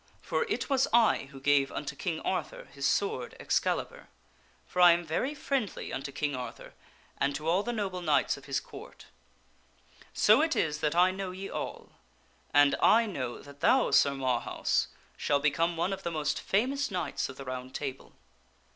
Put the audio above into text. For it was I who gave unto King Arthur his sword Excalibur; for I am very friendly unto King Arthur and to all the noble Knights of his Court. So it is that I know ye all. And I know that thou, Sir Marhaus, shall become one of the most famous Knights of the Round Table."